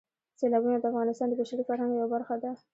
سیلابونه د افغانستان د بشري فرهنګ یوه برخه ده.